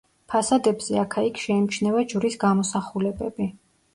ფასადებზე აქა-იქ შეიმჩნევა ჯვრის გამოსახულებები.